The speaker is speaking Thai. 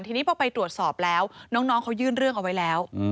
ทีนี้พอไปตรวจสอบแล้วน้องเขายื่นเรื่องเอาไว้แล้ว